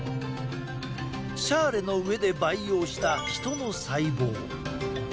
シャーレの上で培養したヒトの細胞。